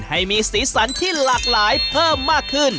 ให้มีสีสันที่หลากหลายเพิ่มมากขึ้น